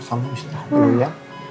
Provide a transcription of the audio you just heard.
kamu istirahat dulu ya